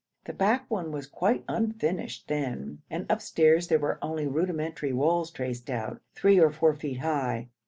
The back one was quite unfinished then, and upstairs there were only rudimentary walls traced out, three or four feet high.